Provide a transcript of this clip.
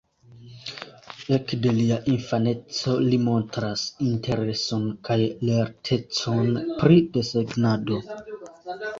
Ekde lia infaneco, li montras intereson kaj lertecon pri desegnado.